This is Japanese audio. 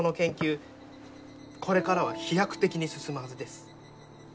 これからは飛躍的に進むはずです。